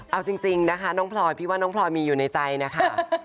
เอาจริงนะคะน้องพลอยพี่ว่าน้องพลอยมีอยู่ในใจนะคะ